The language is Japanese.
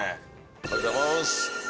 ありがとうございます。